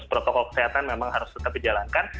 protokol kesehatan memang harus tetap dijalankan